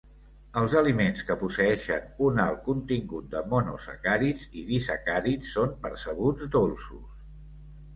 Els aliments que posseeixen un alt contingut de monosacàrids i disacàrids són percebuts dolços.